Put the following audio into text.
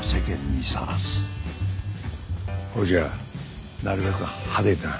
ほいじゃあなるべく派手にな。